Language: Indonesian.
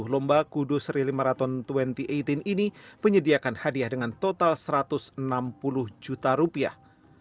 lomba kudus rely marathon dua ribu delapan belas ini menyediakan hadiah dengan total satu ratus enam puluh juta rupiah